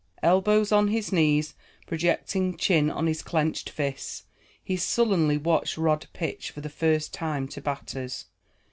Elbows on his knees, projecting chin on his clenched fists, he sullenly watched Rod pitch for the first time to batters.